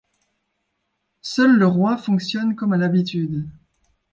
Seul le roi fonctionne comme à l'habitude.